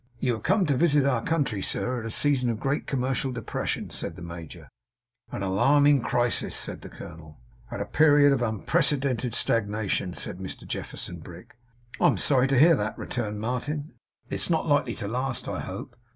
'You have come to visit our country, sir, at a season of great commercial depression,' said the major. 'At an alarming crisis,' said the colonel. 'At a period of unprecedented stagnation,' said Mr Jefferson Brick. 'I am sorry to hear that,' returned Martin. 'It's not likely to last, I hope?